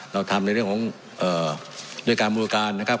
เราทำในเรื่องของด้วยการบริการนะครับ